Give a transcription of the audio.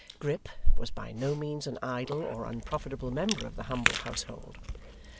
Grip was by no means an idle or unprofitable member of the humble household.